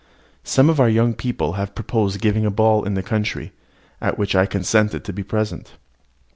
Some of our young people had proposed giving a ball in the country, at which I consented to be present.